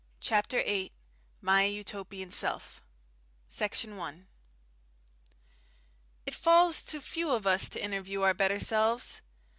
CHAPTER THE EIGHTH My Utopian Self Section 1 It falls to few of us to interview our better selves.